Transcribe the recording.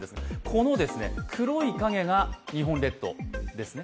この黒い影が日本列島ですね。